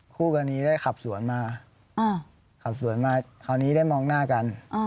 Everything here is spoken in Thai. คู่กรณีได้ขับสวนมาขับสวนมาคราวนี้ได้มองหน้ากัน